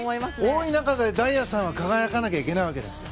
多い中で大也さんは輝かなきゃいけないわけです。